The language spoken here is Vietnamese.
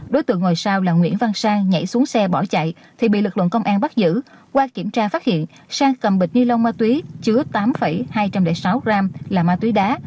đối tượng ngồi sau là nguyễn văn sang nhảy xuống xe bỏ chạy thì bị lực lượng công an bắt giữ qua kiểm tra phát hiện sang cầm bịch ni lông ma túy chứa tám hai trăm linh sáu gram là ma túy đá